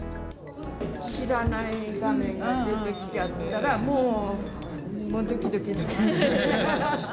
知らない画面が出てきちゃったら、もうどきどきどきどき。